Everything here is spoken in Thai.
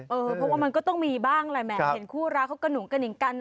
เพราะว่ามันก็ต้องมีบ้างแหละแหมเห็นคู่รักเขากระหุงกระหิ่งกัน